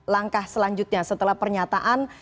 langkah selanjutnya setelah pernyataan